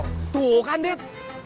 tuh kan ded ikut kami sekarang ke kantor